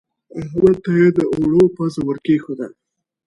احمد ته يې د اوړو پزه ور کېښوده.